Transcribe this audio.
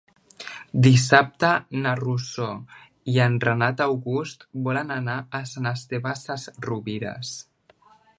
Dissabte na Rosó i en Renat August volen anar a Sant Esteve Sesrovires.